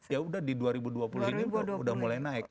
ya udah di dua ribu dua puluh ini udah mulai naik